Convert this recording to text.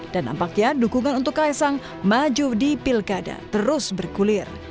nampaknya dukungan untuk kaisang maju di pilkada terus bergulir